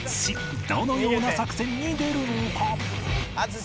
どのような作戦に出るのか？